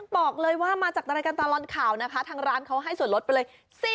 บอกเลยว่ามาจากรายการตลอดข่าวนะคะทางร้านเขาให้ส่วนลดไปเลย